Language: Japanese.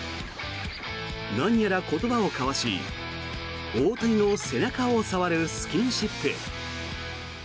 何やら言葉を交わし大谷の背中を触るスキンシップ。